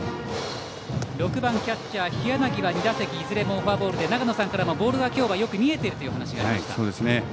６番キャッチャーは日柳は２打席いずれもフォアボールで長野さんからも、ボールが今日はよく見えているというお話がありました。